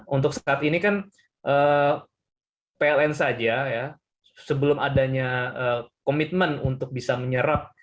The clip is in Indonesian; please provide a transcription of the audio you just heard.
untuk saat ini kan pln saja ya sebelum adanya komitmen untuk bisa menyerap